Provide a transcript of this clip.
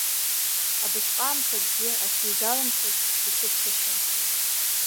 Абысҟаамҭа акгьы ахьизалымхыз дацәыԥхашьон.